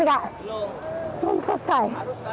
harus balik sini